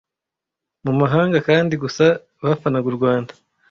mu mahanga kandi gusa bafanaga u Rwanda